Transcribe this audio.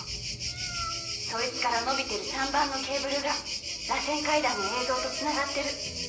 そいつから延びてる３番のケーブルがらせん階段の映像とつながってる。